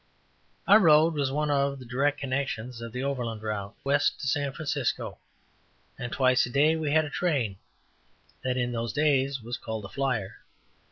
Our road was one of the direct connections of the "Overland Route," west to San Francisco, and twice a day we had a train, that in those days was called a flyer.